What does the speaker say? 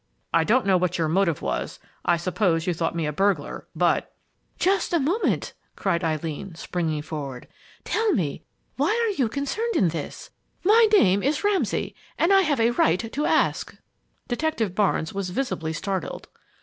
I don't know what your motive was, I suppose you thought me a burglar, but "Just a moment!" cried Eileen, springing forward. "Tell me, why are you concerned in this? My name is Ramsay and I have a right to ask!" Detective Barnes was visibly startled.